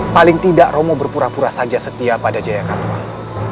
paling tidak romo berpura pura saja setia pada jaya katual